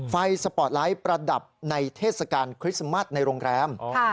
สปอร์ตไลท์ประดับในเทศกาลคริสต์มัสในโรงแรม